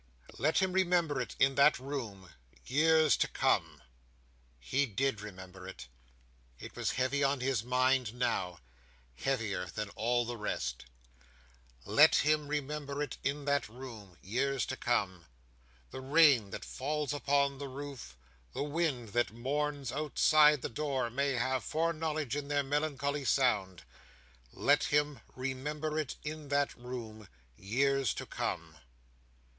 "Let him remember it in that room, years to come!" He did remember it. It was heavy on his mind now; heavier than all the rest. "Let him remember it in that room, years to come! The rain that falls upon the roof, the wind that mourns outside the door, may have foreknowledge in their melancholy sound. Let him remember it in that room, years to come!"